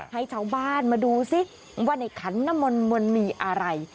ให้เฉาบ้านมาดูสิว่าในขันนมลมันมีอะไร